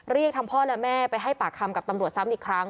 เรียกทั้งพ่อและแม่ไปให้ปากคำกับตำรวจซ้ำอีกครั้ง